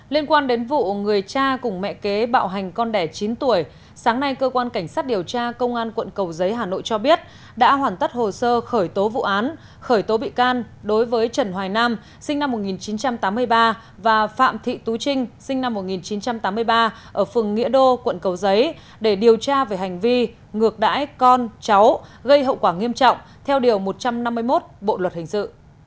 liên quan đến vụ người cha cùng mẹ kế bạo hành con đẻ chín tuổi sáng nay cơ quan cảnh sát điều tra công an quận cầu giấy hà nội cho biết đã hoàn tất hồ sơ khởi tố vụ án khởi tố bị can đối với trần hoài nam sinh năm một nghìn chín trăm tám mươi ba và phạm thị tú trinh sinh năm một nghìn chín trăm tám mươi ba ở phường nghĩa đô quận cầu giấy để điều tra về hành vi ngược đãi con cháu gây hậu quả nghiêm trọng theo điều một trăm năm mươi một bộ luật hình dự